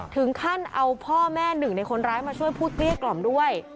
ถึงขั้นเอาพ่อแม่หนึ่งในคนร้ายมาช่วยพูดเกลี้ยกล่อมด้วย